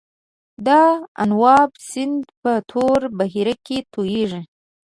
د دانوب سیند په توره بحیره کې تویږي.